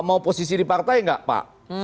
mau posisi di partai nggak pak